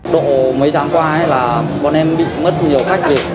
độ mấy tháng qua là bọn em bị mất nhiều khách đi